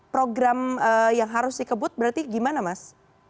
program yang harus dikebut berarti gimana mas